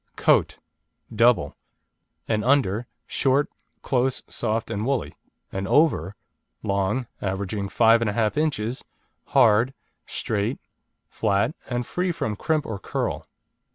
COAT (DOUBLE) An under, short, close, soft, and woolly. An over, long, averaging 5 1/2 inches, hard, straight, flat, and free from crimp or curl.